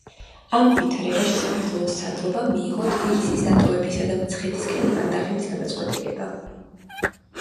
ამ ვითარებაში საქართველოს სარდლობამ მიიღო თბილისის დატოვებისა და მცხეთისკენ უკანდახევის გადაწყვეტილება.